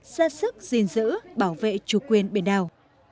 ra sức gìn giữ bảo vệ chủ quyền biển đảo